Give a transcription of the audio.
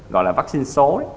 gọi là vaccine số